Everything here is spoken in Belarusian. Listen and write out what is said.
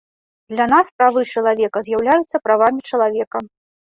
Для нас правы чалавека з'яўляюцца правамі чалавека.